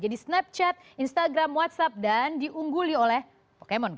jadi snapchat instagram whatsapp dan diungguli oleh pokemon go